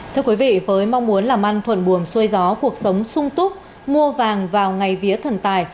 thưa quý vị với mong muốn làm ăn thuần buồm xuôi gió cuộc sống sung túc mua vàng vào ngày vía thần tài